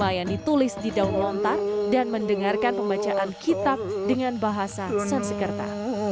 suta soma yang ditulis di daun lontar dan mendengarkan pembacaan kitab dengan bahasa sansikerta